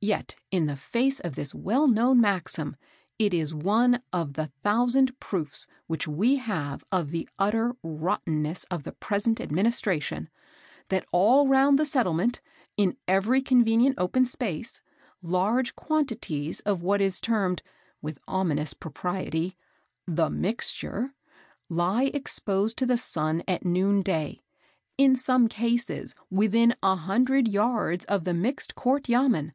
Yet, in the face of this well known maxim, it is one of the thousand proofs which we have of the utter rottenness of the present administration, that all round the settlement, in every convenient open space, large quantities of what is termed, with ominous propriety, the 'mixture,' lie exposed to the sun at noon day; in some cases within a hundred yards of the mixed court yamen.